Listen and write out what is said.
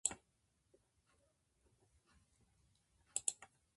誰にも負けられない戦いがここにある